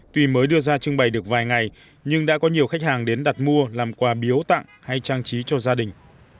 tuy mới đưa ra trưng bày được vài ngày nhưng đã có nhiều khách hàng đến đặt mua làm quà biếu tặng hay trang trí cho gia đình